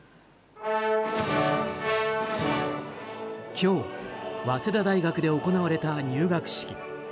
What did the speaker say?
今日、早稲田大学で行われた入学式。